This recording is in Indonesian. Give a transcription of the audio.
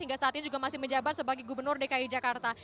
hingga saat ini juga masih menjabat sebagai gubernur dki jakarta